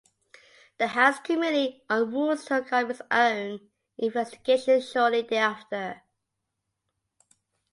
The House Committee on Rules took up its own investigation shortly thereafter.